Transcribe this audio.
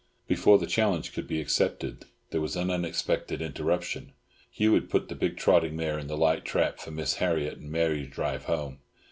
Before the challenge could be accepted there was an unexpected interruption. Hugh had put the big trotting mare in the light trap for Miss Harriott and Mary to drive home.